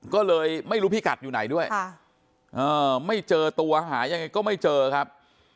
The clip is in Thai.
ก็เลยไม่รู้พี่กัดอยู่ไหนด้วยไม่เจอตัวหายังไงก็ไม่เจอครับ